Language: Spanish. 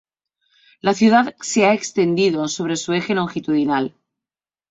La ciudad se ha extendido sobre su eje longitudinal.